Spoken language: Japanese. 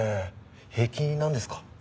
平気なんですか？